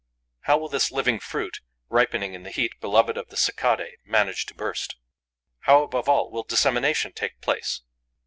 How will this living fruit, ripening in the heat beloved of the Cicadae, manage to burst? How, above all, will dissemination take place?